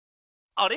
あれ？